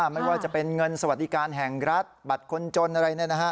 ไม่ว่าจะเป็นเงินสวัสดิการแห่งรัฐบัตรคนจนอะไร